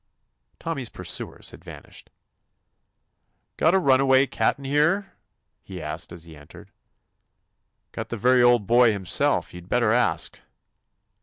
Tommy's pursuers had vanished. "Got a runaway cat in here?" he asked as he entered. "Got the very Old Boy himself, you 'd better ask!"